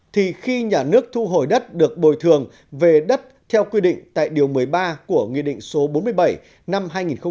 thì khi nhà nước thu hồi đất được bồi thường về đất theo quy định tại điều một mươi ba của nghị định số bốn mươi bảy năm hai nghìn một mươi